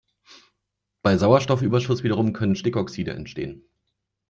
Bei Sauerstoffüberschuss wiederum können Stickoxide entstehen.